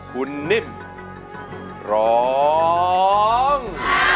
คุณนิ่มร้อง